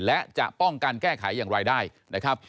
และจะป้องกันแก้ไขอย่างไรได้นะครับ